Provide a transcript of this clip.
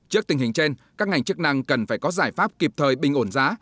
trước tình hình trên các ngành chức năng cần phải có giải pháp kịp thời bình ổn giá